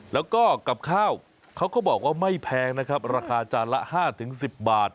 แล้วก็กับข้าวเขาก็บอกว่าไม่แพงนะครับราคาจานละ๕๑๐บาท